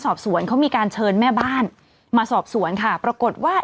สอบสวนเขามีการเชิญแม่บ้านมาสอบสวนค่ะปรากฏว่า